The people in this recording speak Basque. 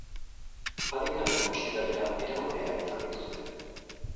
Adingabeak ospitalera eraman behar izan dituzte.